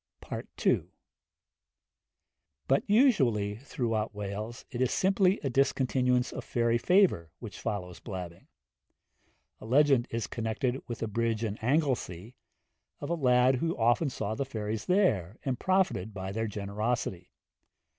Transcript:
FOOTNOTE: 'Winter's Tale,' Act III., Sc. 3. II. But usually, throughout Wales, it is simply a discontinuance of fairy favour which follows blabbing. A legend is connected with a bridge in Anglesea, of a lad who often saw the fairies there, and profited by their generosity.